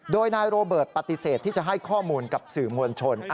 โดยนายโรเบิร์ตปฏิเสธที่จะให้ข้อมูลกับสื่อมวลชน